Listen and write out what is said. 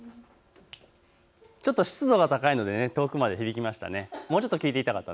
ちょっと湿度が高いので遠くまで響きましたね。